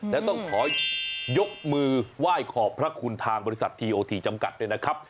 และต้องขอยกมือไหว้ขอบพระคุณทางบริษัททีโอทีจำกัดด้วยนะครับ